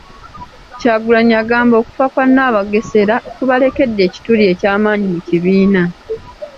Kyagulanyi agamba okufa kwa Nabagesera kubalekedde ekituli ekyamaanyi mu kibiina.